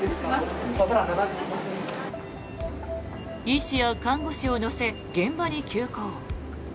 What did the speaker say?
医師や看護師を乗せ現場に急行。